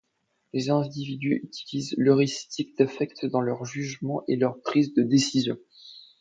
Les individus utilisent l’heuristique d’affect dans leur jugement et leur prise de décision.